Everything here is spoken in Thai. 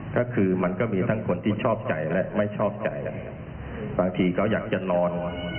ก็คือมันก็มีทั้งคนที่ชอบใจและไม่ชอบใจบางทีเขาอยากจะนอน